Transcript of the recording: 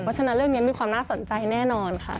เพราะฉะนั้นเรื่องนี้มีความน่าสนใจแน่นอนค่ะ